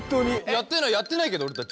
やってないやってないけど俺たち。